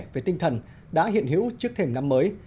về tinh thần đã hiện hữu trước thềm năm mới